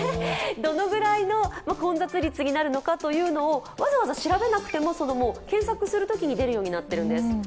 どのぐらいの混雑率になるのかというのをわざわざ調べなくても、検索するときに出るようになっているんです。